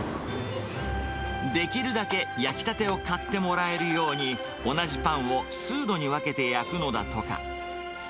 できるだけ焼きたてを買ってもらえるように、同じパンを数度に分けて焼くのだとか。